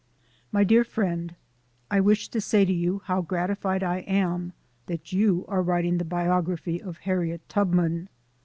Mr DEAR FRIEXD: I wish to say to you how gratified I am that you are writing the biography of Harriet Tubrnan.